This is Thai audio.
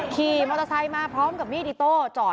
ขี่มอเตอร์ไซค์มาพร้อมกับมีดอิโต้จอด